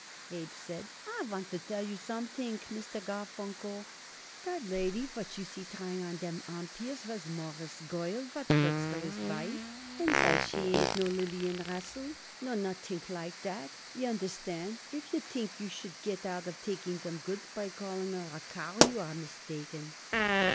Abe said. "I want to tell you something, Mr. Garfunkel. That lady what you see trying on them Empires was Mawruss' girl what works by his wife, and while she ain't no Lillian Russell nor nothing like that, y'understand, if you think you should get out of taking them goods by calling her a cow you are mistaken."